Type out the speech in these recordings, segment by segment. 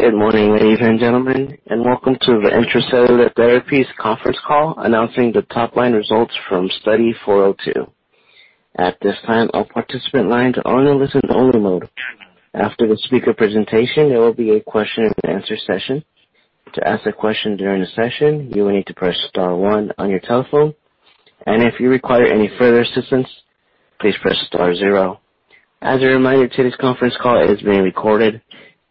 Good morning, ladies and gentlemen, and welcome to the Intra-Cellular Therapies conference call announcing the top-line results from Study 402.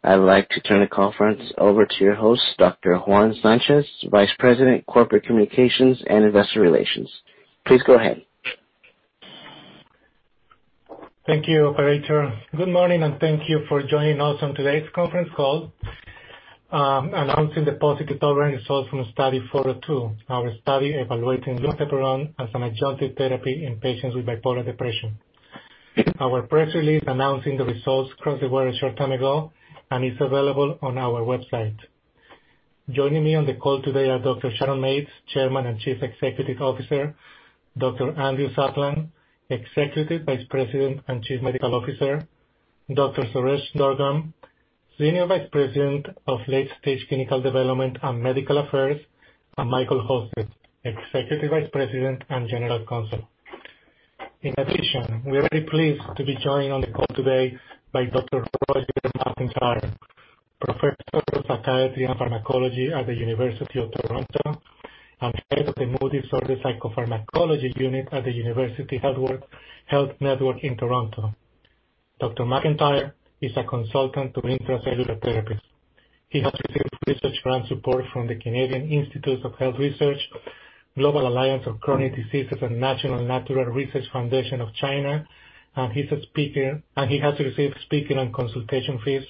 I'd like to turn the conference over to your host, Dr. Juan Sanchez, Vice President, Corporate Communications and Investor Relations. Please go ahead. Thank you, operator. Good morning, and thank you for joining us on today's conference call announcing the positive top-line results from the Study 402, our study evaluating lumateperone as an adjunctive therapy in patients with bipolar depression. Our press release announcing the results crossed the wire a short time ago and is available on our website. Joining me on the call today are Dr. Sharon Mates, Chairman and Chief Executive Officer, Dr. Andrew Satlin, Executive Vice President and Chief Medical Officer, Dr. Suresh Durgam, Senior Vice President of Late Stage Clinical Development and Medical Affairs, and Michael Halstead, Executive Vice President and General Counsel. In addition, we are very pleased to be joined on the call today by Dr. Roger McIntyre, Professor of Faculty of Pharmacology at the University of Toronto and Head of the Mood Disorders Psychopharmacology Unit at the University Health Network in Toronto. Dr. McIntyre is a consultant to Intra-Cellular Therapies. He has received research grant support from the Canadian Institutes of Health Research, Global Alliance for Chronic Diseases, and National Natural Science Foundation of China, and he has received speaking and consultation fees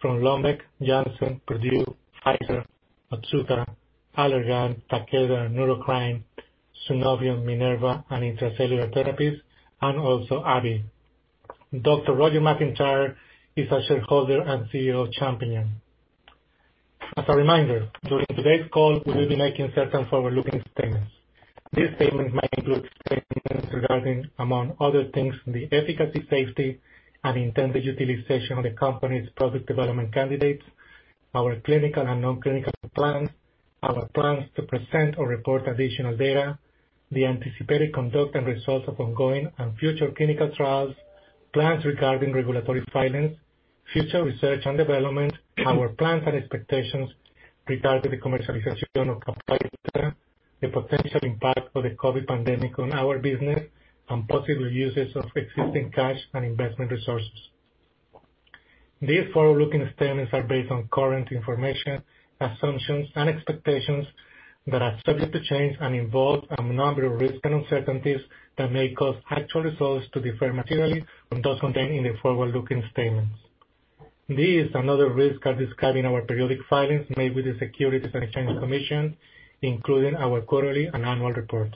from Lundbeck, Janssen, Purdue, Pfizer, Otsuka, Allergan, Takeda, Neurocrine, Sunovion, Minerva, and Intra-Cellular Therapies, and also AbbVie. Dr. Roger McIntyre is a shareholder and CEO of Champignon. As a reminder, during today's call, we will be making certain forward-looking statements. These statements might include statements regarding, among other things, the efficacy, safety, and intended utilization of the company's product development candidates, our clinical and non-clinical plans, our plans to present or report additional data, the anticipated conduct and results of ongoing and future clinical trials, plans regarding regulatory filings, future research and development, our plans and expectations regarding the commercialization of, the potential impact of the COVID pandemic on our business, and possible uses of existing cash and investment resources. These forward-looking statements are based on current information, assumptions, and expectations that are subject to change and involve a number of risks and uncertainties that may cause actual results to differ materially from those contained in the forward-looking statements. These and other risks are described in our periodic filings made with the Securities and Exchange Commission, including our quarterly and annual reports.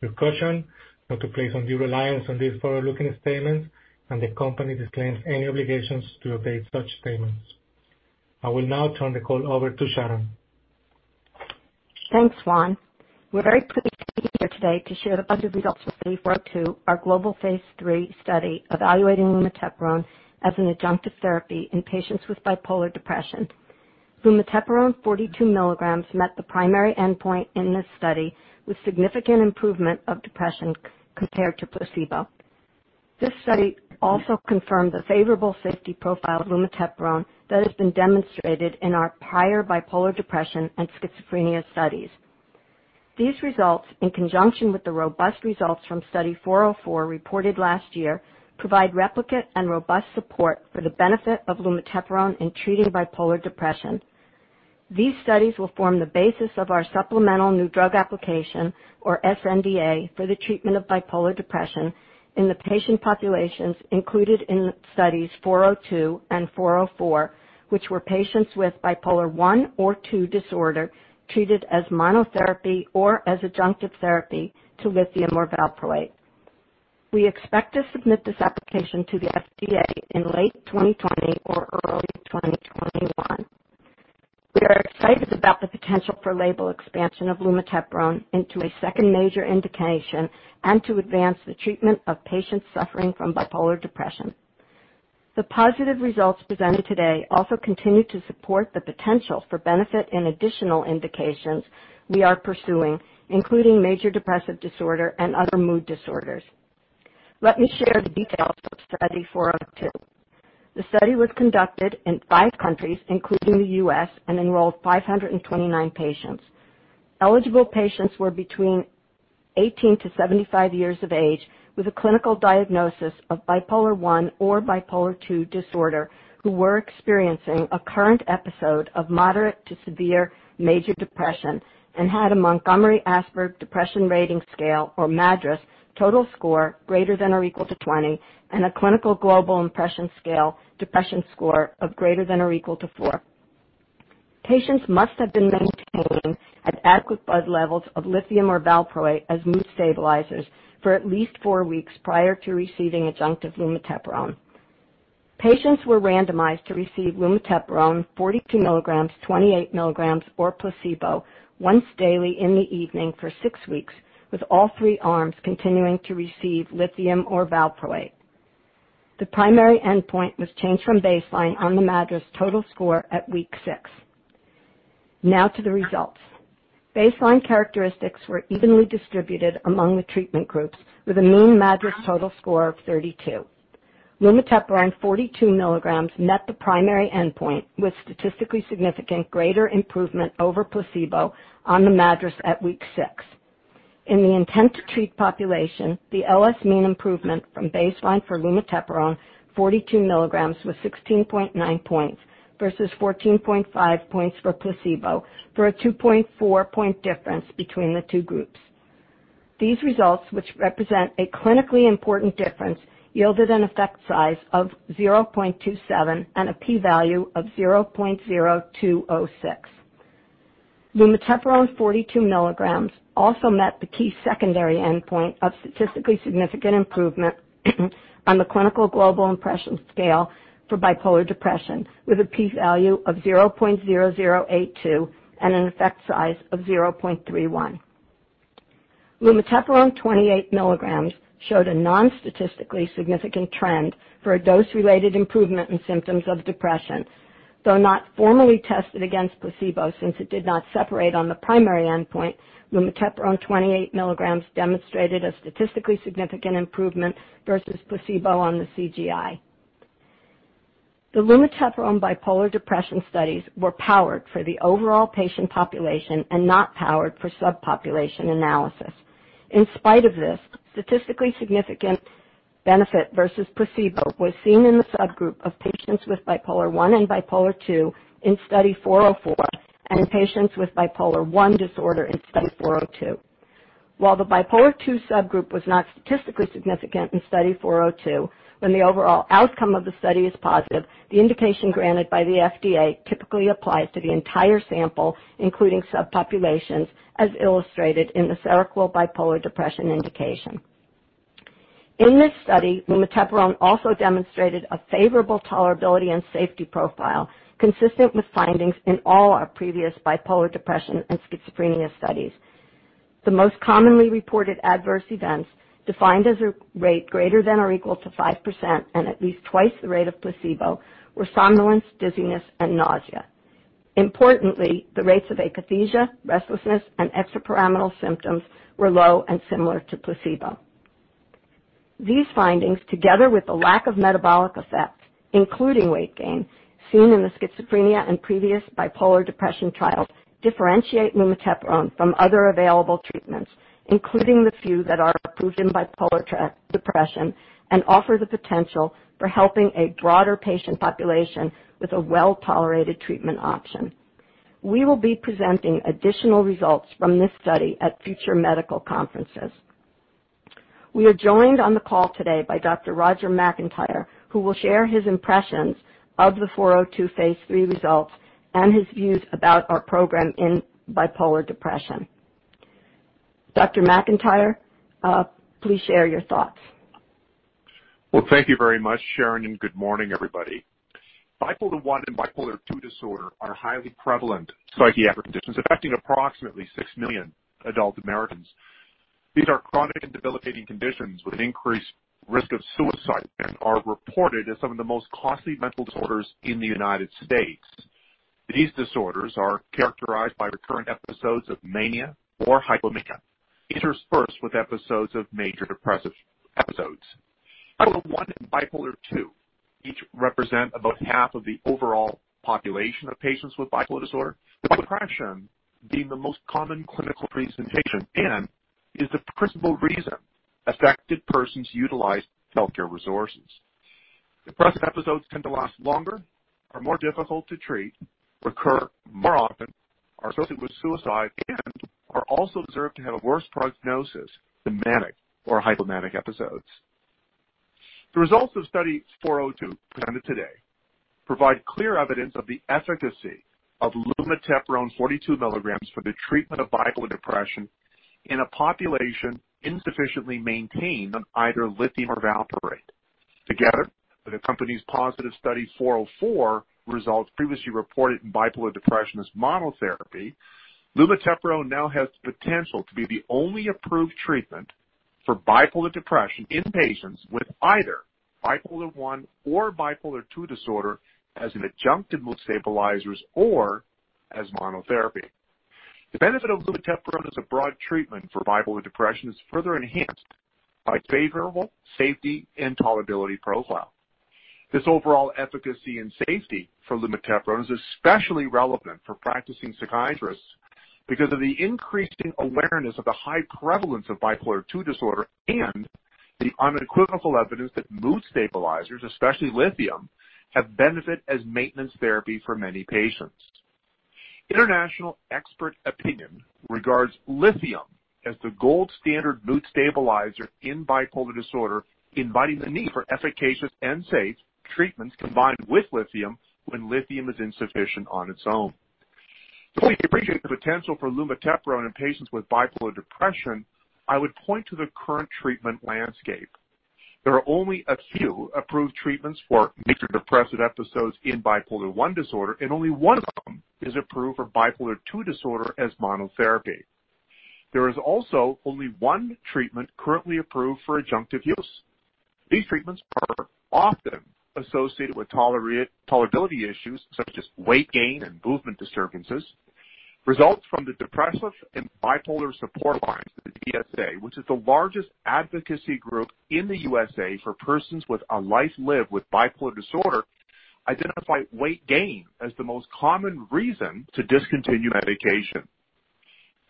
We caution not to place undue reliance on these forward-looking statements, and the company disclaims any obligations to update such statements. I will now turn the call over to Sharon. Thanks, Juan. We're very pleased to be here today to share the positive results of Study 402, our global phase III study evaluating lumateperone as an adjunctive therapy in patients with bipolar depression. Lumateperone 42 mg met the primary endpoint in this study, with significant improvement of depression compared to placebo. This study also confirmed the favorable safety profile of lumateperone that has been demonstrated in our prior bipolar depression and schizophrenia studies. These results, in conjunction with the robust results from Study 404 reported last year, provide replicate and robust support for the benefit of lumateperone in treating bipolar depression. These studies will form the basis of our supplemental new drug application, or sNDA, for the treatment of bipolar depression in the patient populations included in Study 402 and Study 404, which were patients with Bipolar I or II disorder treated as monotherapy or as adjunctive therapy to lithium or valproate. We expect to submit this application to the FDA in late 2020 or early 2021. We are excited about the potential for label expansion of lumateperone into a second major indication and to advance the treatment of patients suffering from bipolar depression. The positive results presented today also continue to support the potential for benefit in additional indications we are pursuing, including major depressive disorder and other mood disorders. Let me share the details of Study 402. The study was conducted in five countries, including the U.S., and enrolled 529 patients. Eligible patients were between 18 to 75 years of age with a clinical diagnosis of Bipolar I or Bipolar II disorder who were experiencing a current episode of moderate to severe major depression and had a Montgomery-Åsberg Depression Rating Scale, or MADRS, total score greater than or equal to 20 and a Clinical Global Impression Scale depression score of greater than or equal to four. Patients must have been maintaining at adequate blood levels of lithium or valproate as mood stabilizers for at least four weeks prior to receiving adjunctive lumateperone. Patients were randomized to receive lumateperone 42 mg, 28 mg, or placebo once daily in the evening for six weeks, with all three arms continuing to receive lithium or valproate. The primary endpoint was change from baseline on the MADRS total score at week six. Now to the results. Baseline characteristics were evenly distributed among the treatment groups with a mean MADRS total score of 32. Lumateperone 42 mgs met the primary endpoint with statistically significant greater improvement over placebo on the MADRS at week six. In the intent-to-treat population, the LS mean improvement from baseline for lumateperone 42 mgs was 16.9 points versus 14.5 points for placebo for a 2.4 point difference between the two groups. These results, which represent a clinically important difference, yielded an effect size of 0.27 and a P value of 0.0206. Lumateperone 42 mgs also met the key secondary endpoint of statistically significant improvement on the Clinical Global Impression Scale for bipolar depression with a P value of 0.0082 and an effect size of 0.31. Lumateperone 28 mgs showed a non-statistically significant trend for a dose-related improvement in symptoms of depression. Though not formally tested against placebo since it did not separate on the primary endpoint, lumateperone 28 mgs demonstrated a statistically significant improvement versus placebo on the CGI. The lumateperone bipolar depression studies were powered for the overall patient population and not powered for subpopulation analysis. In spite of this, statistically significant benefit versus placebo was seen in the subgroup of patients with bipolar I and bipolar II in Study 404 and in patients with bipolar I disorder in Study 402. While the bipolar II subgroup was not statistically significant in Study 402, when the overall outcome of the study is positive, the indication granted by the FDA typically applies to the entire sample, including subpopulations, as illustrated in the Seroquel bipolar depression indication. In this study, lumateperone also demonstrated a favorable tolerability and safety profile consistent with findings in all our previous bipolar depression and schizophrenia studies. The most commonly reported adverse events, defined as a rate greater than or equal to 5% and at least twice the rate of placebo, were somnolence, dizziness, and nausea. Importantly, the rates of akathisia, restlessness, and extrapyramidal symptoms were low and similar to placebo. These findings, together with the lack of metabolic effects, including weight gain, seen in the schizophrenia and previous bipolar depression trials, differentiate lumateperone from other available treatments, including the few that are approved in bipolar depression, and offer the potential for helping a broader patient population with a well-tolerated treatment option. We will be presenting additional results from this study at future medical conferences. We are joined on the call today by Dr. Roger McIntyre, who will share his impressions of the Study 402 phase III results and his views about our program in bipolar depression. Dr. McIntyre, please share your thoughts. Well, thank you very much, Sharon, and good morning, everybody. Bipolar I and Bipolar II disorder are highly prevalent psychiatric conditions affecting approximately 6 million adult Americans. These are chronic and debilitating conditions with an increased risk of suicide and are reported as some of the most costly mental disorders in the United States. These disorders are characterized by recurrent episodes of mania or hypomania, interspersed with episodes of major depressive episodes. Bipolar I and Bipolar II each represent about half of the overall population of patients with bipolar disorder, with depression being the most common clinical presentation and is the principal reason affected persons utilize healthcare resources. Depressive episodes tend to last longer, are more difficult to treat, recur more often, are associated with suicide, and are also observed to have a worse prognosis than manic or hypomanic episodes. The results of Study 402 presented today provide clear evidence of the efficacy of lumateperone 42 mgs for the treatment of bipolar depression in a population insufficiently maintained on either lithium or valproate. Together with the company's positive Study 404 results previously reported in bipolar depression as monotherapy, lumateperone now has the potential to be the only approved treatment for bipolar depression in patients with either bipolar I or bipolar II disorder as an adjunctive mood stabilizers or as monotherapy. The benefit of lumateperone as a broad treatment for bipolar depression is further enhanced by its favorable safety and tolerability profile. This overall efficacy and safety for lumateperone is especially relevant for practicing psychiatrists because of the increasing awareness of the high prevalence of bipolar II disorder and the unequivocal evidence that mood stabilizers, especially lithium, have benefit as maintenance therapy for many patients. International expert opinion regards lithium as the gold standard mood stabilizer in bipolar disorder, inviting the need for efficacious and safe treatments combined with lithium when lithium is insufficient on its own. To fully appreciate the potential for lumateperone in patients with bipolar depression, I would point to the current treatment landscape. There are only a few approved treatments for major depressive episodes in bipolar I disorder, and only one of them is approved for bipolar II disorder as monotherapy. There is also only one treatment currently approved for adjunctive use. These treatments are often associated with tolerability issues such as weight gain and movement disturbances. Results from the Depression and Bipolar Support Alliance, the DBSA, which is the largest advocacy group in the USA for persons with a life lived with bipolar disorder, identify weight gain as the most common reason to discontinue medication.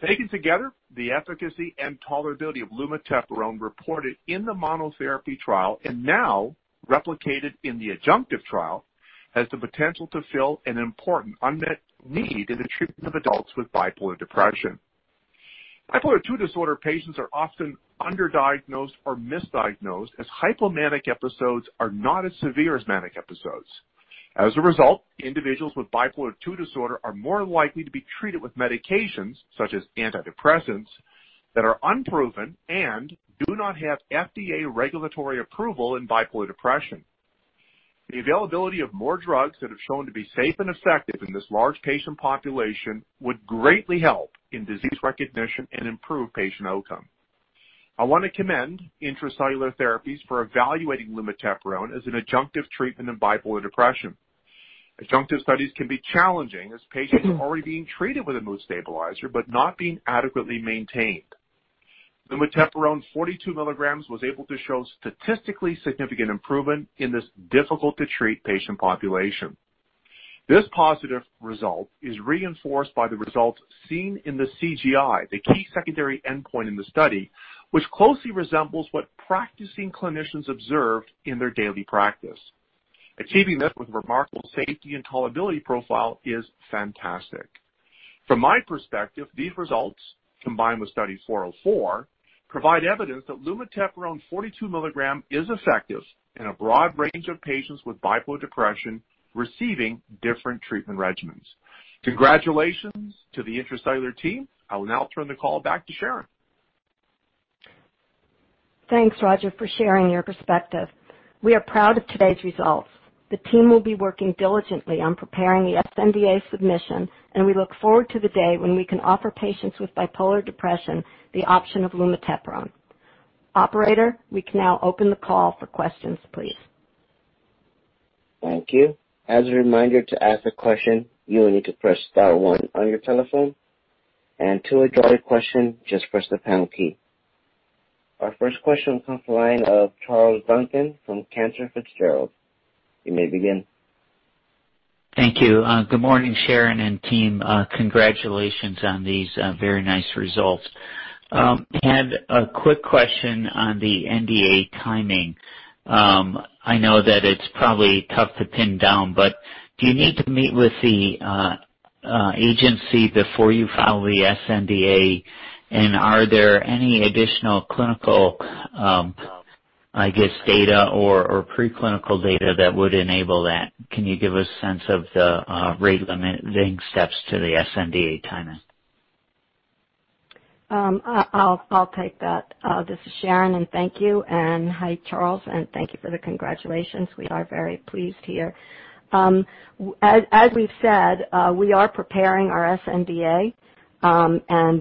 Taken together, the efficacy and tolerability of lumateperone reported in the monotherapy trial and now replicated in the adjunctive trial, has the potential to fill an important unmet need in the treatment of adults with bipolar depression. Bipolar II disorder patients are often underdiagnosed or misdiagnosed, as hypomanic episodes are not as severe as manic episodes. As a result, individuals with bipolar II disorder are more likely to be treated with medications, such as antidepressants, that are unproven and do not have FDA regulatory approval in bipolar depression. The availability of more drugs that have shown to be safe and effective in this large patient population would greatly help in disease recognition and improve patient outcome. I want to commend Intra-Cellular Therapies for evaluating lumateperone as an adjunctive treatment in bipolar depression. Adjunctive studies can be challenging as patients are already being treated with a mood stabilizer but not being adequately maintained. lumateperone 42 mgs was able to show statistically significant improvement in this difficult-to-treat patient population. This positive result is reinforced by the results seen in the CGI, the key secondary endpoint in the study, which closely resembles what practicing clinicians observed in their daily practice. Achieving this with remarkable safety and tolerability profile is fantastic. From my perspective, these results, combined with Study 404, provide evidence that lumateperone 42 mg is effective in a broad range of patients with bipolar depression receiving different treatment regimens. Congratulations to the Intra-Cellular team. I will now turn the call back to Sharon. Thanks, Roger, for sharing your perspective. We are proud of today's results. The team will be working diligently on preparing the sNDA submission. We look forward to the day when we can offer patients with bipolar depression the option of lumateperone. Operator, we can now open the call for questions, please. Thank you. As a reminder, to ask a question, you will need to press star one on your telephone, and to withdraw your question, just press the pound key. Our first question comes from the line of Charles Duncan from Cantor Fitzgerald. You may begin. Thank you. Good morning, Sharon and team. Congratulations on these very nice results. Had a quick question on the NDA timing. I know that it's probably tough to pin down. Do you need to meet with the agency before you file the sNDA? Are there any additional clinical, I guess, data or pre-clinical data that would enable that? Can you give a sense of the rate-limiting steps to the sNDA timing? I'll take that. This is Sharon, and thank you, and hi, Charles, and thank you for the congratulations. We are very pleased here. As we've said, we are preparing our sNDA.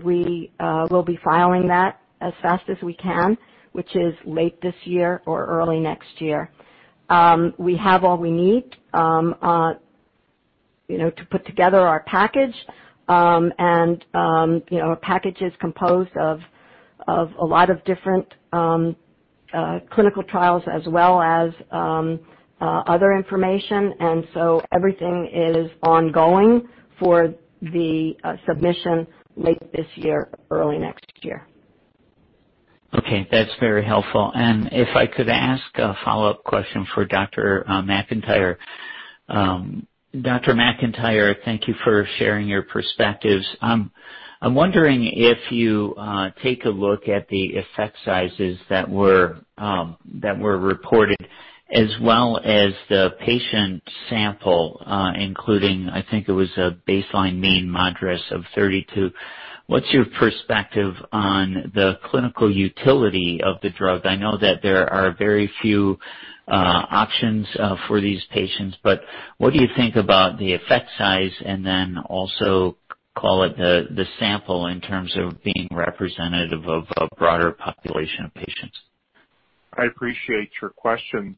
We will be filing that as fast as we can, which is late this year or early next year. We have all we need to put together our package, and our package is composed of a lot of different clinical trials as well as other information, and so everything is ongoing for the submission late this year, early next year. Okay, that's very helpful. If I could ask a follow-up question for Dr. McIntyre. Dr. McIntyre, thank you for sharing your perspectives. I'm wondering if you take a look at the effect sizes that were reported as well as the patient sample, including, I think it was a baseline mean MADRS of 32. What's your perspective on the clinical utility of the drug? I know that there are very few options for these patients, but what do you think about the effect size and then also call it the sample in terms of being representative of a broader population of patients? I appreciate your question.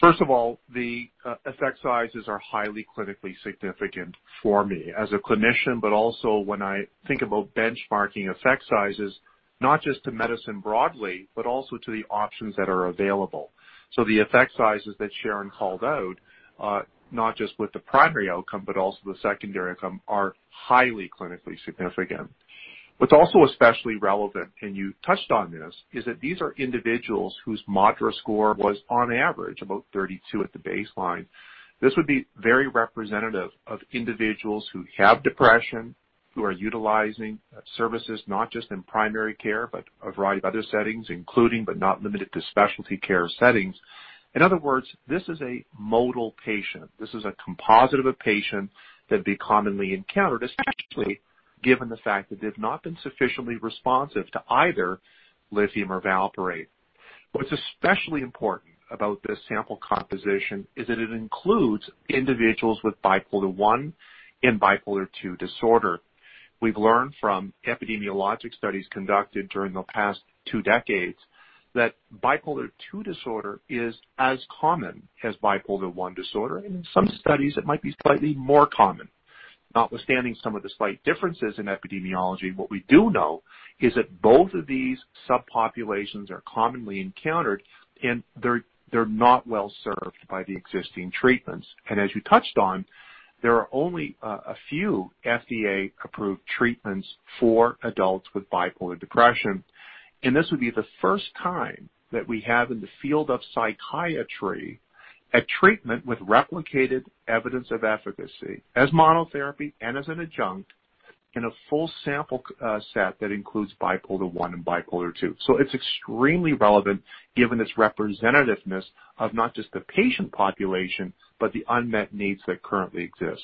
First of all, the effect sizes are highly clinically significant for me as a clinician, but also when I think about benchmarking effect sizes, not just to medicine broadly, but also to the options that are available. The effect sizes that Sharon called out, not just with the primary outcome, but also the secondary outcome, are highly clinically significant. What's also especially relevant, and you touched on this, is that these are individuals whose MADRS score was on average about 32 at the baseline. This would be very representative of individuals who have depression, who are utilizing services not just in primary care, but a variety of other settings, including but not limited to specialty care settings. In other words, this is a modal patient. This is a composite of a patient that they commonly encountered, especially given the fact that they've not been sufficiently responsive to either lithium or valproate. What's especially important about this sample composition is that it includes individuals with bipolar I and bipolar II disorder. We've learned from epidemiologic studies conducted during the past two decades that bipolar II disorder is as common as bipolar I disorder, and in some studies, it might be slightly more common. Notwithstanding some of the slight differences in epidemiology, what we do know is that both of these subpopulations are commonly encountered, and they're not well-served by the existing treatments. As you touched on, there are only a few FDA-approved treatments for adults with bipolar depression. This would be the first time that we have in the field of psychiatry a treatment with replicated evidence of efficacy as monotherapy and as an adjunct in a full sample set that includes bipolar I and bipolar II. It's extremely relevant given its representativeness of not just the patient population, but the unmet needs that currently exist.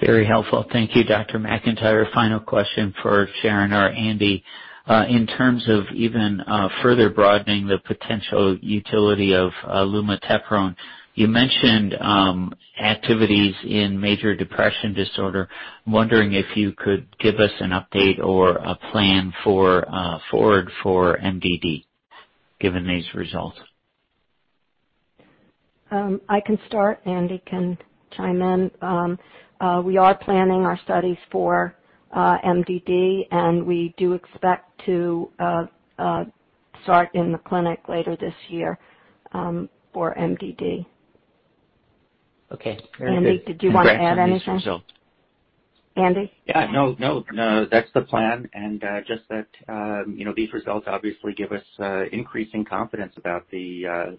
Very helpful. Thank you, Dr. McIntyre. Final question for Sharon or Andy. In terms of even further broadening the potential utility of lumateperone, you mentioned activities in major depressive disorder. I'm wondering if you could give us an update or a plan for forward for MDD, given these results. I can start. Andy can chime in. We do expect to start in the clinic later this year for MDD. Okay. Very good. Andy, did you want to add anything? Congrats on these results. Andy? Yeah. No, that's the plan. Just that these results obviously give us increasing confidence about the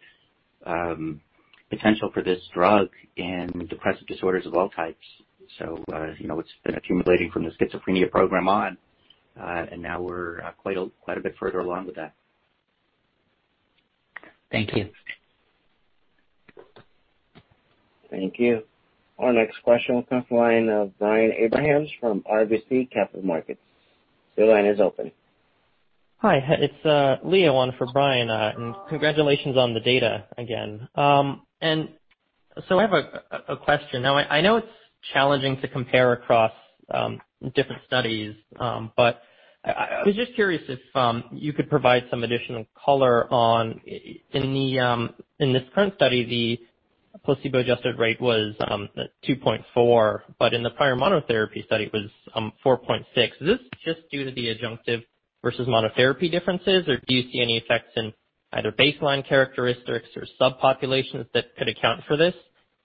potential for this drug in depressive disorders of all types. It's been accumulating from the schizophrenia program on. Now we're quite a bit further along with that. Thank you. Thank you. Our next question will come from the line of Brian Abrahams from RBC Capital Markets. Hi. It's Leo on for Brian, and congratulations on the data again. I have a question. Now, I know it's challenging to compare across different studies. I was just curious if you could provide some additional color on in this current study, the placebo-adjusted rate was 2.4, but in the prior monotherapy study, it was 4.6. Is this just due to the adjunctive versus monotherapy differences, or do you see any effects in either baseline characteristics or subpopulations that could account for this?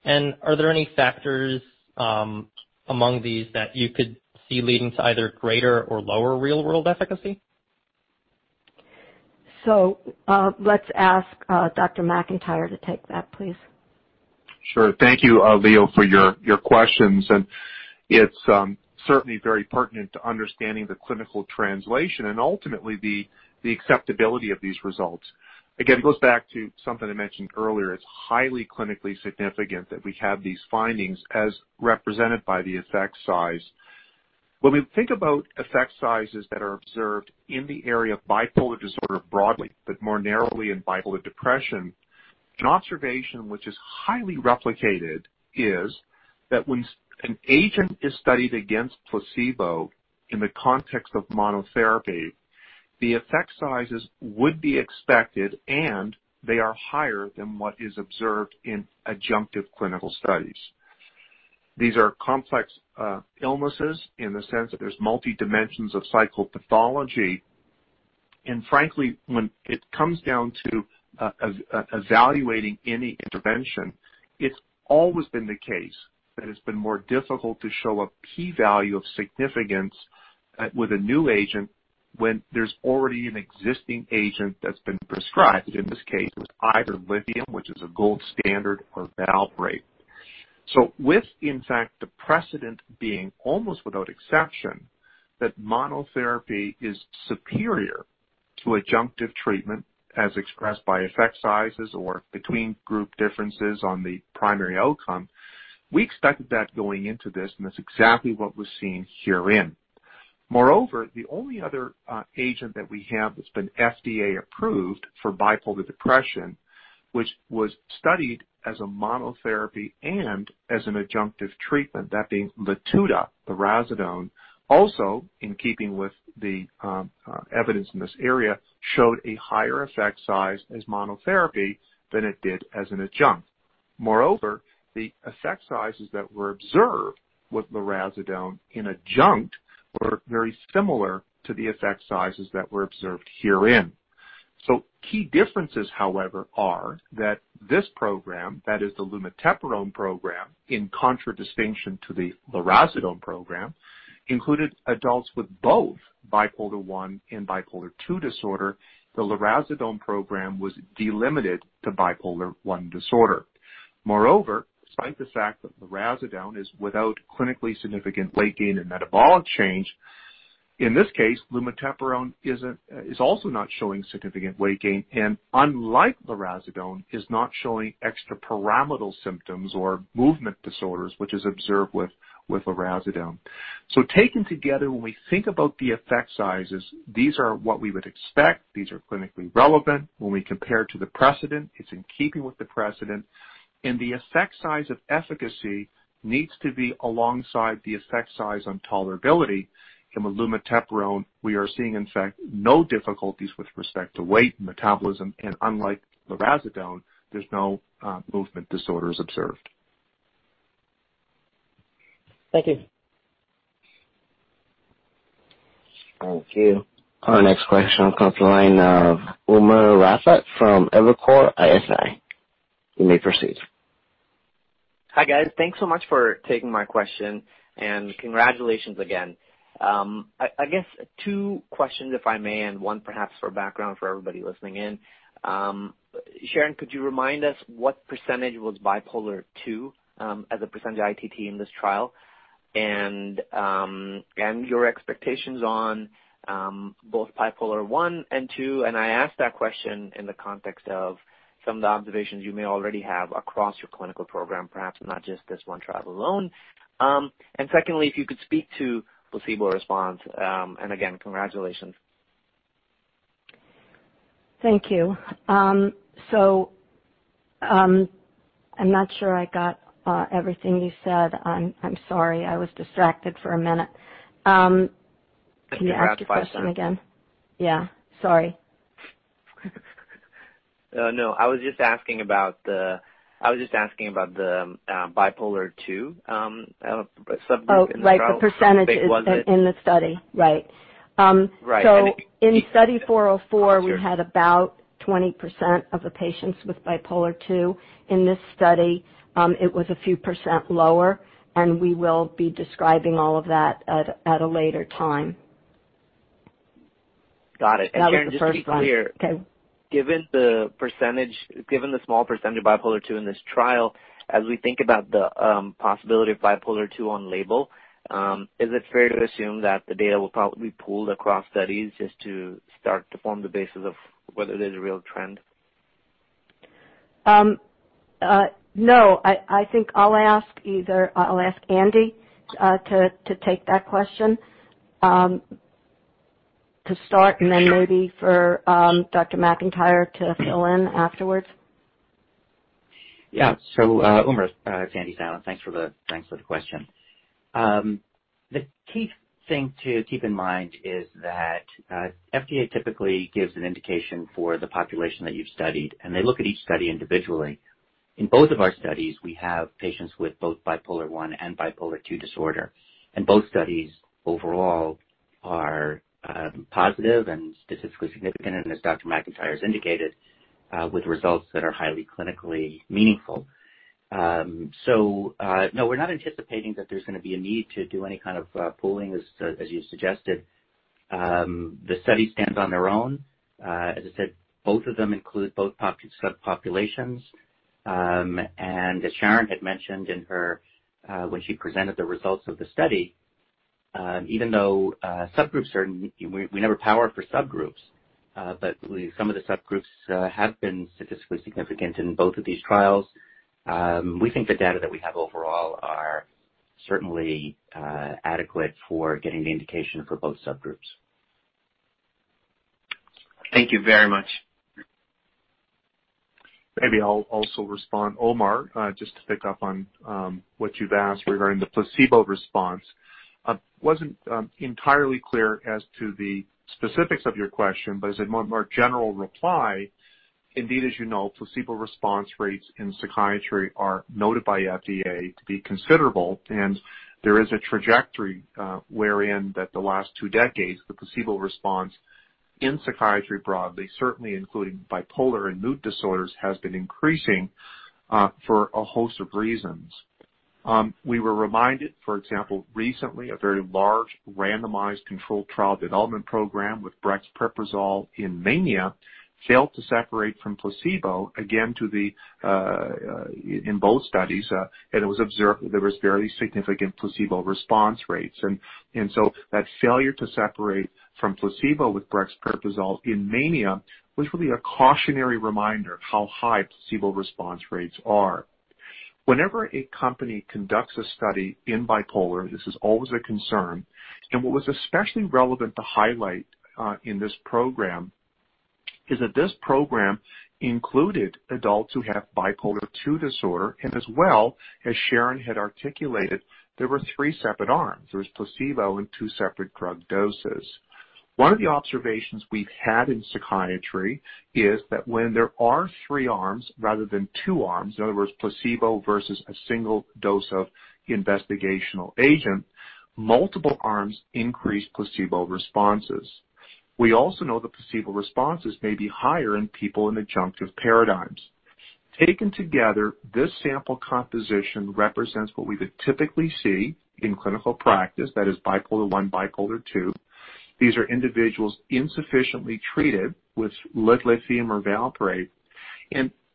Are there any factors among these that you could see leading to either greater or lower real-world efficacy? Let's ask Dr. McIntyre to take that, please. Sure. Thank you, Leo, for your questions. It's certainly very pertinent to understanding the clinical translation and ultimately the acceptability of these results. Again, it goes back to something I mentioned earlier. It's highly clinically significant that we have these findings as represented by the effect size. When we think about effect sizes that are observed in the area of bipolar disorder broadly, but more narrowly in bipolar depression, an observation which is highly replicated is that when an agent is studied against placebo in the context of monotherapy, the effect sizes would be expected, and they are higher than what is observed in adjunctive clinical studies. These are complex illnesses in the sense that there's multidimensions of psychopathology. Frankly, when it comes down to evaluating any intervention, it's always been the case that it's been more difficult to show a key value of significance with a new agent when there's already an existing agent that's been prescribed, in this case with either lithium, which is a gold standard, or valproate. With, in fact, the precedent being almost without exception that monotherapy is superior to adjunctive treatment as expressed by effect sizes or between group differences on the primary outcome, we expected that going into this, and that's exactly what was seen herein. Moreover, the only other agent that we have that's been FDA-approved for bipolar depression, which was studied as a monotherapy and as an adjunctive treatment, that being Latuda, lurasidone, also in keeping with the evidence in this area, showed a higher effect size as monotherapy than it did as an adjunct. Moreover, the effect sizes that were observed with lurasidone in adjunct were very similar to the effect sizes that were observed herein. Key differences, however, are that this program, that is the lumateperone program, in contradistinction to the lurasidone program, included adults with both bipolar I and bipolar II disorder. The lurasidone program was delimited to bipolar I disorder. Moreover, despite the fact that lurasidone is without clinically significant weight gain and metabolic change. In this case, lumateperone is also not showing significant weight gain, and unlike lurasidone, is not showing extrapyramidal symptoms or movement disorders, which is observed with lurasidone. Taken together, when we think about the effect sizes, these are what we would expect. These are clinically relevant. When we compare to the precedent, it's in keeping with the precedent, and the effect size of efficacy needs to be alongside the effect size on tolerability. With lumateperone, we are seeing, in fact, no difficulties with respect to weight and metabolism, and unlike lurasidone, there's no movement disorders observed. Thank you. Thank you. Our next question comes from the line of Umer Raffat from Evercore ISI. You may proceed. Hi, guys. Thanks so much for taking my question, and congratulations again. I guess two questions, if I may, and one perhaps for background for everybody listening in. Sharon, could you remind us what percentage was bipolar II as a percentage ITT in this trial, and your expectations on both bipolar I and II. I ask that question in the context of some of the observations you may already have across your clinical program, perhaps not just this one trial alone. Secondly, if you could speak to placebo response. Again, congratulations. Thank you. I'm not sure I got everything you said. I'm sorry. I was distracted for a minute. Can you ask your question again? Yeah. Sorry. No, I was just asking about the bipolar II subject in the trial. Oh, like the percentages. How big was it? in the study. Right. Right. In Study 404, we had about 20% of the patients with bipolar II. In this study, it was a few % lower, and we will be describing all of that at a later time. Got it. That was the first one. Sharon, just to be clear. Okay. Given the small percentage of bipolar II in this trial, as we think about the possibility of bipolar II on-label, is it fair to assume that the data will probably be pooled across studies just to start to form the basis of whether there's a real trend? No. I think I'll ask Andy to take that question to start and then maybe for Dr. McIntyre to fill in afterwards. Yeah. Umer, it's Andrew Zalong. Thanks for the question. The key thing to keep in mind is that FDA typically gives an indication for the population that you've studied, and they look at each study individually. In both of our studies, we have patients with both bipolar I and bipolar II disorder, and both studies overall are positive and statistically significant, and as Dr. McIntyre's indicated, with results that are highly clinically meaningful. No, we're not anticipating that there's going to be a need to do any kind of pooling, as you suggested. The study stands on their own. As I said, both of them include both subpopulations. As Sharon had mentioned when she presented the results of the study, even though we never powered for subgroups, some of the subgroups have been statistically significant in both of these trials. We think the data that we have overall are certainly adequate for getting the indication for both subgroups. Thank you very much. Maybe I'll also respond, Umer, just to pick up on what you've asked regarding the placebo response. As a more general reply, indeed, as you know, placebo response rates in psychiatry are noted by FDA to be considerable, and there is a trajectory wherein that the last two decades, the placebo response in psychiatry broadly, certainly including bipolar and mood disorders, has been increasing for a host of reasons. We were reminded, for example, recently, a very large randomized controlled trial development program with brexpiprazole in mania failed to separate from placebo, again, in both studies. It was observed that there was very significant placebo response rates. That failure to separate from placebo with brexpiprazole in mania was really a cautionary reminder how high placebo response rates are. Whenever a company conducts a study in bipolar, this is always a concern. What was especially relevant to highlight in this program is that this program included adults who have bipolar II disorder, as well, as Sharon had articulated, there were three separate arms. There was placebo and two separate drug doses. One of the observations we've had in psychiatry is that when there are three arms rather than two arms, in other words, placebo versus a single dose of investigational agent, multiple arms increase placebo responses. We also know that placebo responses may be higher in people in adjunctive paradigms. Taken together, this sample composition represents what we would typically see in clinical practice, that is bipolar I, bipolar II. These are individuals insufficiently treated with lithium or valproate.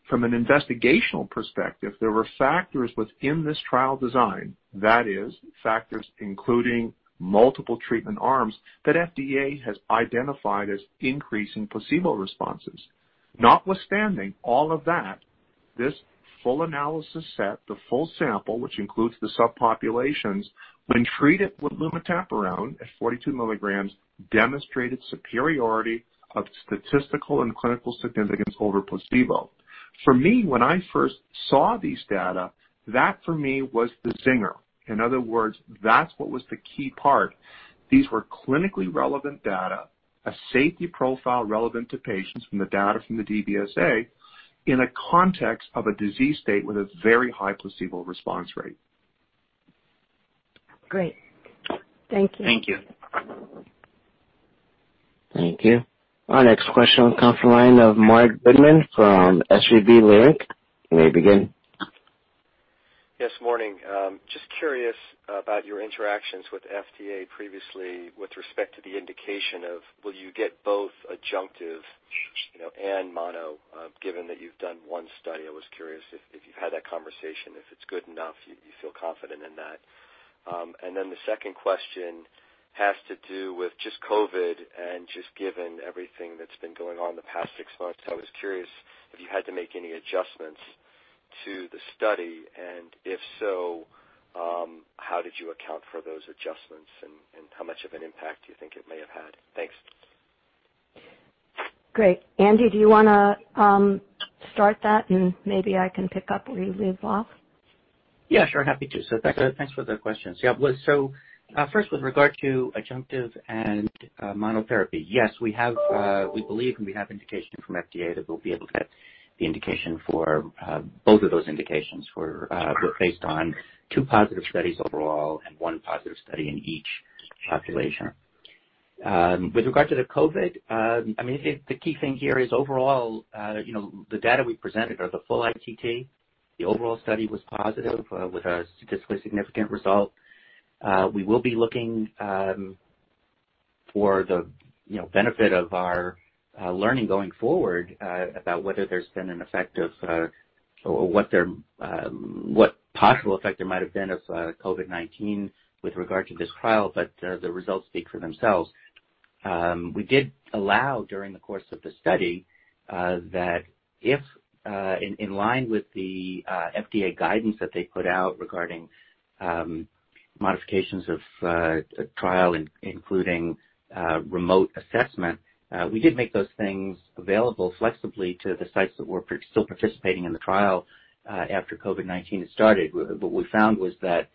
From an investigational perspective, there were factors within this trial design, that is, factors including multiple treatment arms, that FDA has identified as increasing placebo responses. Notwithstanding all of that, this full analysis set, the full sample, which includes the subpopulations, when treated with lumateperone at 42 mgs, demonstrated superiority of statistical and clinical significance over placebo. For me, when I first saw these data, that for me was the zinger. In other words, that's what was the key part. These were clinically relevant data, a safety profile relevant to patients from the data from the DBSA in a context of a disease state with a very high placebo response rate. Great. Thank you. Thank you. Thank you. Our next question comes from the line of Marc Goodman from SVB Leerink. You may begin. Yes, morning. Just curious about your interactions with FDA previously with respect to the indication of will you get both adjunctive and mono, given that you've done one study. I was curious if you've had that conversation, if it's good enough, you feel confident in that. Then the second question has to do with just COVID and just given everything that's been going on the past six months, I was curious if you had to make any adjustments to the study, and if so, how did you account for those adjustments and how much of an impact do you think it may have had? Thanks. Great. Andy, do you want to start that and maybe I can pick up where you leave off? Yeah, sure. Happy to. Thanks for the questions. Yeah. First with regard to adjunctive and monotherapy. Yes, we believe we have indication from FDA that we'll be able to get the indication for both of those indications were based on two positive studies overall and one positive study in each population. With regard to the COVID, the key thing here is overall, the data we presented are the full ITT. The overall study was positive with a statistically significant result. We will be looking for the benefit of our learning going forward about whether there's been an effect of or what possible effect there might have been of COVID-19 with regard to this trial, the results speak for themselves. We did allow, during the course of the study, that if in line with the FDA guidance that they put out regarding modifications of trial, including remote assessment, we did make those things available flexibly to the sites that were still participating in the trial after COVID-19 had started. What we found was that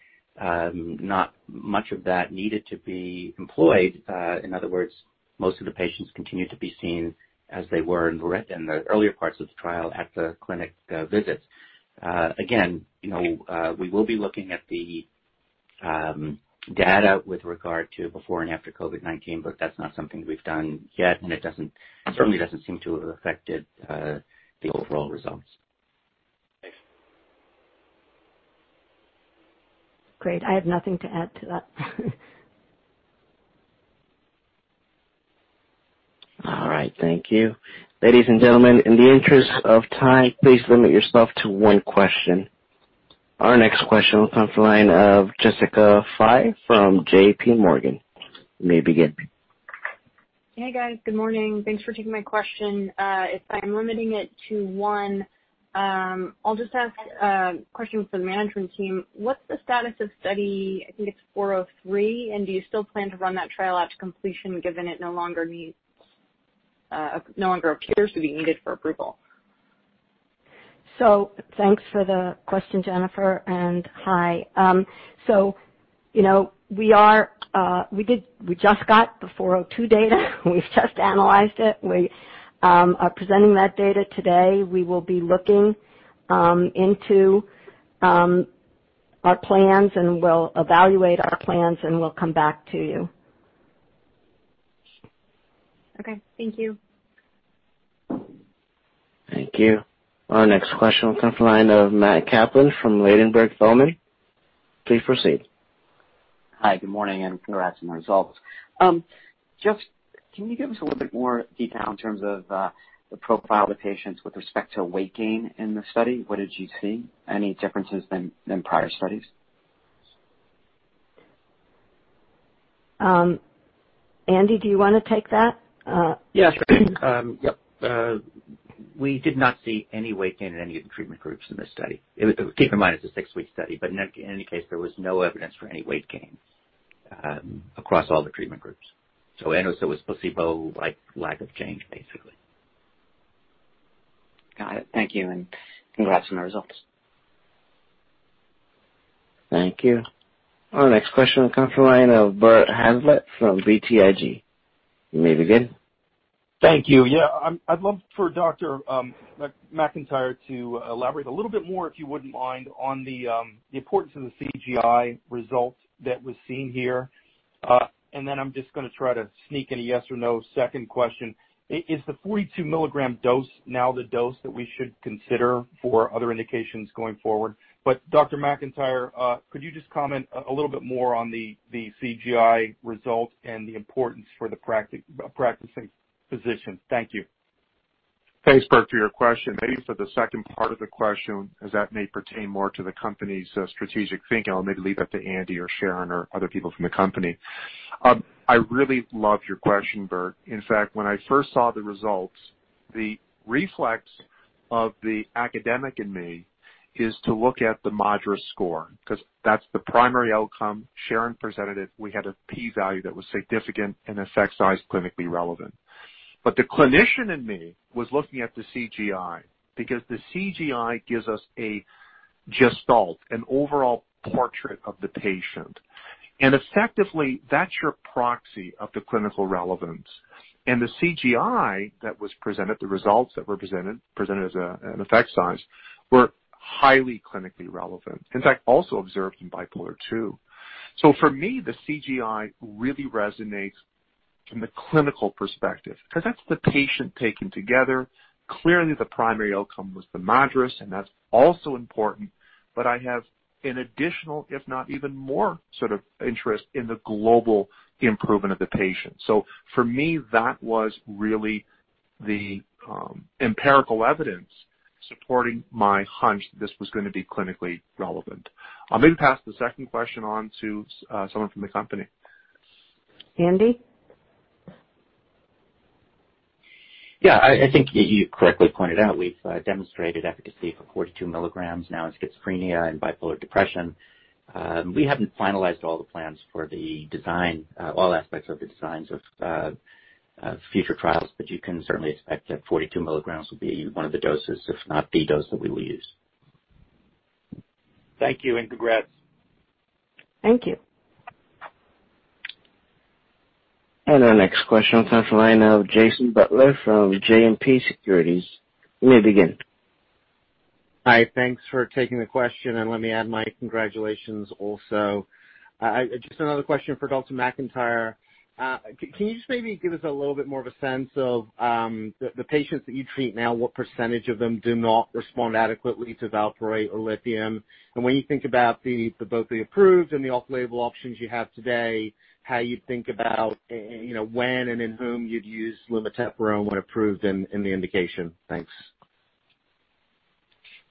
not much of that needed to be employed. In other words, most of the patients continued to be seen as they were in the earlier parts of the trial at the clinic visits. Again, we will be looking at the data with regard to before and after COVID-19, but that's not something we've done yet, and it certainly doesn't seem to have affected the overall results. Thanks. Great. I have nothing to add to that. All right. Thank you. Ladies and gentlemen, in the interest of time, please limit yourself to one question. Our next question will come from the line of Jessica Fye from JPMorgan. You may begin. Hey, guys. Good morning. Thanks for taking my question. If I'm limiting it to one, I'll just ask a question for the management team. What's the status of Study, I think it's 403, do you still plan to run that trial out to completion given it no longer appears to be needed for approval? Thanks for the question, Jessica, and hi. We just got the 402 data. We've just analyzed it. We are presenting that data today. We will be looking into our plans and we'll evaluate our plans and we'll come back to you. Okay. Thank you. Thank you. Our next question will come from the line of Matthew Kaplan from Ladenburg Thalmann. Please proceed. Hi, good morning, and congrats on the results. Can you give us a little bit more detail in terms of the profile of the patients with respect to weight gain in the study? What did you see? Any differences than prior studies? Andy, do you want to take that? Yes. We did not see any weight gain in any of the treatment groups in this study. Keep in mind, it's a six-week study. In any case, there was no evidence for any weight gain across all the treatment groups. And also with placebo, like lack of change, basically. Got it. Thank you, and congrats on the results. Thank you. Our next question comes from the line of Bob Hazlett from BTIG. You may begin. Thank you. I'd love for Dr. McIntyre to elaborate a little bit more, if you wouldn't mind, on the importance of the CGI results that was seen here. I'm just going to try to sneak in a yes or no second question. Is the 42 mg dose now the dose that we should consider for other indications going forward? Dr. McIntyre, could you just comment a little bit more on the CGI results and the importance for the practicing physicians? Thank you. Thanks, Bob, for your question. Maybe for the second part of the question, as that may pertain more to the company's strategic thinking. I'll maybe leave that to Andy or Sharon or other people from the company. I really love your question, Robert. In fact, when I first saw the results, the reflex of the academic in me is to look at the MADRS score, because that's the primary outcome. Sharon presented it. We had a P value that was significant and effect size clinically relevant. The clinician in me was looking at the CGI because the CGI gives us a gestalt, an overall portrait of the patient. Effectively, that's your proxy of the clinical relevance. The CGI that was presented, the results that were presented as an effect size, were highly clinically relevant. In fact, also observed in bipolar II. For me, the CGI really resonates from the clinical perspective, because that's the patient taken together. Clearly, the primary outcome was the MADRS, and that's also important. I have an additional, if not even more sort of interest in the global improvement of the patient. For me, that was really the empirical evidence supporting my hunch that this was going to be clinically relevant. I'll maybe pass the second question on to someone from the company. Andy? Yeah, I think you correctly pointed out we've demonstrated efficacy for 42 mgs now in schizophrenia and bipolar depression. We haven't finalized all the plans for all aspects of the designs of future trials, but you can certainly expect that 42 mgs will be one of the doses, if not the dose that we will use. Thank you and congrats. Thank you. Our next question comes from the line of Jason Butler from JMP Securities. You may begin. Hi. Thanks for taking the question, and let me add my congratulations also. Just another question for Dr. McIntyre. Can you just maybe give us a little bit more of a sense of the patients that you treat now, what % of them do not respond adequately to valproate or lithium? When you think about both the approved and the off-label options you have today, how you think about when and in whom you'd use lumateperone when approved in the indication. Thanks.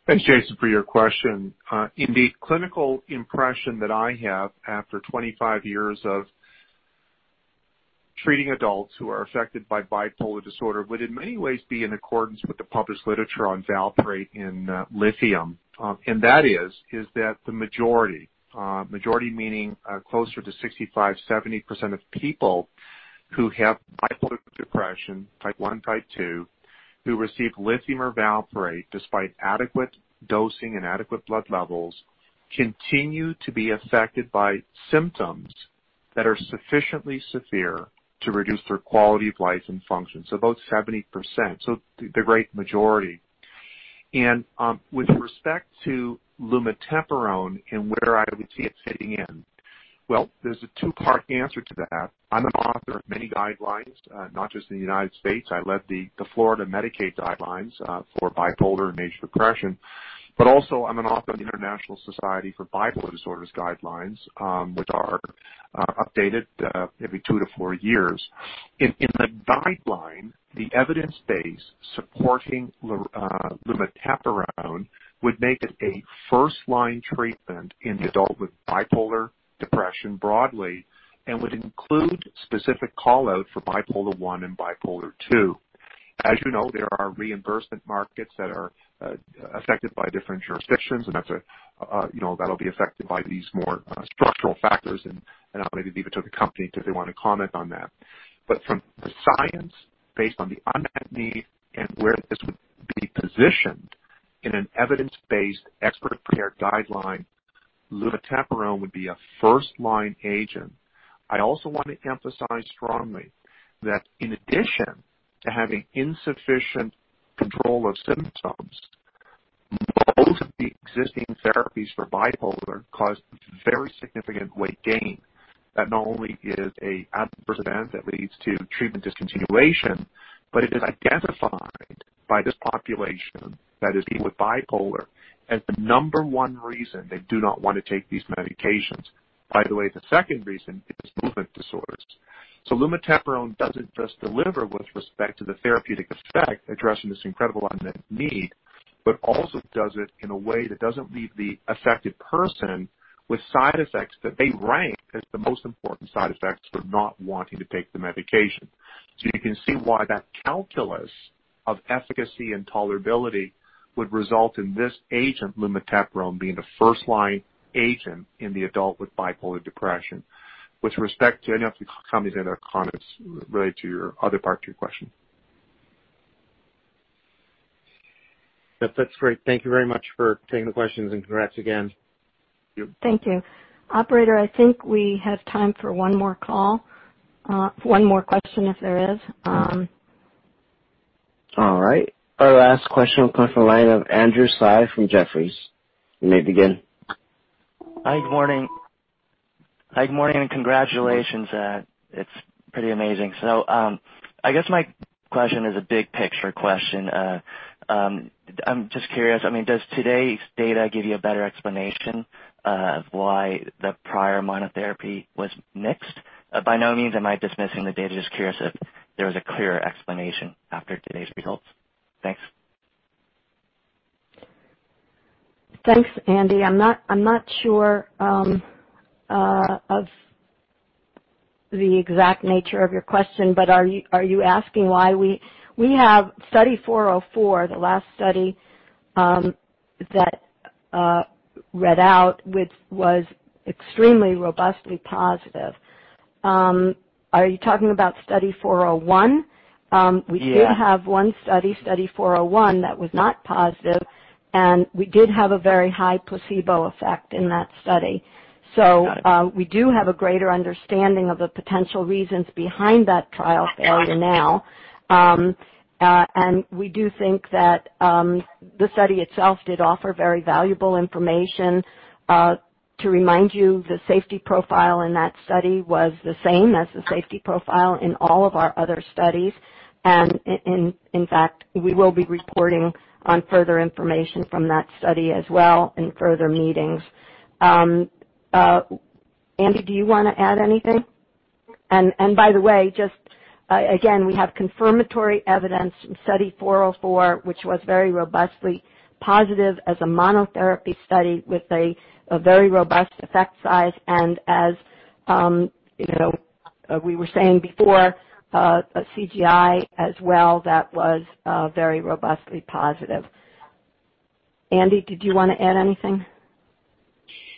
Thanks, Jason, for your question. In the clinical impression that I have after 25 years of treating adults who are affected by bipolar disorder would in many ways be in accordance with the published literature on valproate and lithium. That is that the majority, meaning closer to 65, 70% of people who have bipolar depression, type one, type two, who receive lithium or valproate despite adequate dosing and adequate blood levels continue to be affected by symptoms that are sufficiently severe to reduce their quality of life and function. About 70%. The great majority. With respect to lumateperone and where I would see it fitting in, well, there's a two-part answer to that. I'm an author of many guidelines, not just in the U.S. I led the Florida Medicaid guidelines for bipolar and major depression. Also I'm an author on the International Society for Bipolar Disorders guidelines, which are updated every two to four years. In the guideline, the evidence base supporting lumateperone would make it a first-line treatment in the adult with bipolar depression broadly and would include specific call-out for bipolar I and bipolar II. As you know, there are reimbursement markets that are affected by different jurisdictions, and that'll be affected by these more structural factors. I'll maybe leave it to the company if they want to comment on that. From the science, based on the unmet need and where this would be positioned in an evidence-based expert of care guideline, lumateperone would be a first-line agent. I also want to emphasize strongly that in addition to having insufficient control of symptoms, most of the existing therapies for bipolar cause very significant weight gain. That not only is an adverse event that leads to treatment discontinuation, but it is identified by this population, that is people with bipolar, as the number one reason they do not want to take these medications. By the way, the second reason is movement disorders. Lumateperone doesn't just deliver with respect to the therapeutic effect, addressing this incredible unmet need, but also does it in a way that doesn't leave the affected person with side effects that they rank as the most important side effects for not wanting to take the medication. You can see why that calculus of efficacy and tolerability would result in this agent, lumateperone, being the first-line agent in the adult with bipolar depression. With respect to any of the companies and their comments related to your other part to your question. That's great. Thank you very much for taking the questions and congrats again. Thank you. Thank you. Operator, I think we have time for one more call. One more question if there is. All right. Our last question will come from the line of Andrew Tsai from Jefferies. You may begin. Hi, good morning, and congratulations. It's pretty amazing. I guess my question is a big picture question. I'm just curious, does today's data give you a better explanation of why the prior monotherapy was mixed? By no means am I dismissing the data, just curious if there was a clearer explanation after today's results. Thanks. Thanks, Andy. I'm not sure of the exact nature of your question, are you asking why we have Study 404, the last study that read out, which was extremely robustly positive? Are you talking about Study 401? Yeah. We did have one study, Study 401, that was not positive, and we did have a very high placebo effect in that study. Got it. We do have a greater understanding of the potential reasons behind that trial failure now. We do think that the study itself did offer very valuable information. To remind you, the safety profile in that study was the same as the safety profile in all of our other studies. In fact, we will be reporting on further information from that study as well in further meetings. Andy, do you want to add anything? By the way, just again, we have confirmatory evidence from Study 404, which was very robustly positive as a monotherapy study with a very robust effect size and as we were saying before, a CGI as well that was very robustly positive. Andy, did you want to add anything?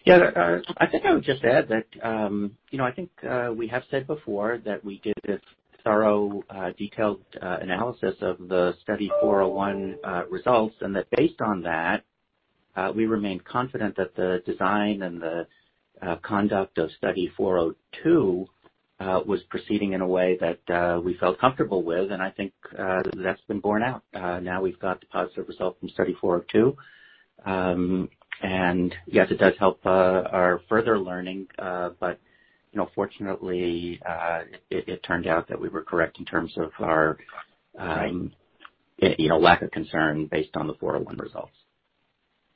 Yeah, I think I would just add that I think we have said before that we did a thorough, detailed analysis of the Study 401 results and that based on that, we remained confident that the design and the conduct of Study 402 was proceeding in a way that we felt comfortable with. I think that's been borne out. Now we've got the positive result from Study 402. Yes, it does help our further learning, but fortunately, it turned out that we were correct in terms of our lack of concern based on the 401 results.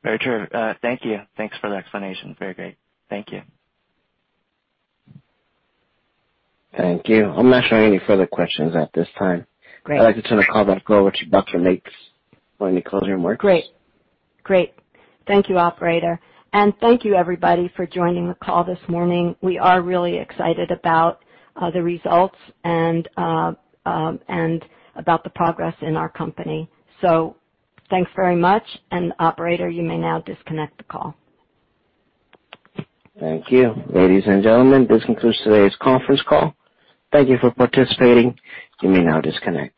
Very true. Thank you. Thanks for the explanation. Very great. Thank you. Thank you. I'm not showing any further questions at this time. Great. I'd like to turn the call back over to Dr. Mates for any closing remarks. Great. Thank you, operator. Thank you, everybody, for joining the call this morning. We are really excited about the results and about the progress in our company. Thanks very much. Operator, you may now disconnect the call. Thank you. Ladies and gentlemen, this concludes today's conference call. Thank you for participating. You may now disconnect.